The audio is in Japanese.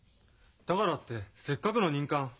だからってせっかくの任官。